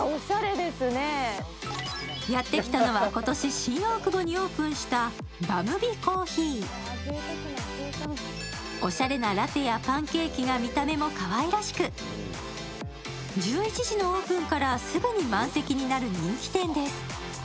やって来たのは今年新大久保にオープンしたＢＡＭＢＩＣＯＦＦＥＥおしゃれなラテやパンケーキが見た目もかわいらしく、１１時のオープンからすぐに満席になる人気店です。